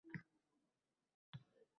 birdan quvonib ketaman.